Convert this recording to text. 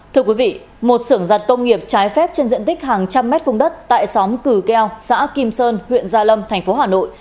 thưa quý vị một sưởng giặt công nghiệp trái phép trên diện tích hàng trăm mét vùng đất tại xóm cử keo xã kim sơn huyện gia lâm thành phố hà nội